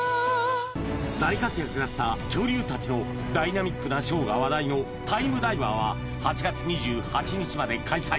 大活躍だった恐竜達のダイナミックなショーが話題の「ＴＩＭＥＤＩＶＥＲ」は８月２８日まで開催